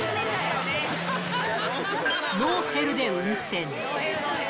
ノーヘルで運転。